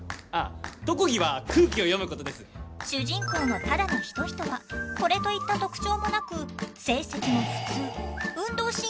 主人公の只野仁人はこれといった特徴もなく成績も普通運動神経も普通。